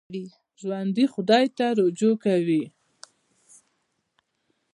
ژوندي خدای ته رجوع کوي